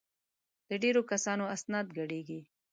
د ډېرو کسانو اسناد ګډېږي.